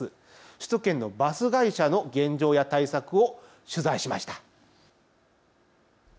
首都圏のバス会社の現状や対策を取材しました。